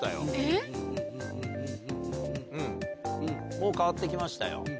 もう変わってきましたよ。